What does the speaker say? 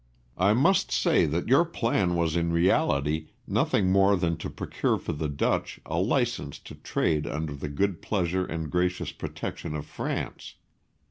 William. I must say that your plan was in reality nothing more than to procure for the Dutch a licence to trade under the good pleasure and gracious protection of France.